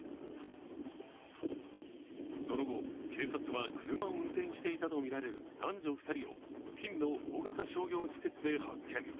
その後、警察は車を運転していたとみられる男女２人を付近の大型商業施設で発見。